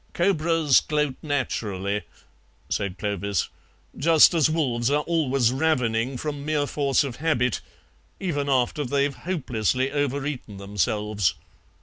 "Cobras gloat naturally," said Clovis, "just as wolves are always ravening from mere force of habit, even after they've hopelessly overeaten themselves.